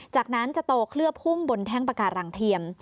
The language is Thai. จากนั้นจะโตเคลือบหุ้มบนแท่งปาการังเทียม